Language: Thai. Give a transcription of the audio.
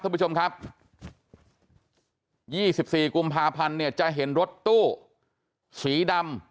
ท่านผู้ชมครับ๒๔กุมภาพันธ์เนี่ยจะเห็นรถตู้สีดำ